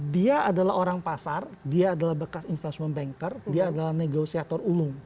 dia adalah orang pasar dia adalah bekas investment banker dia adalah negosiator ulung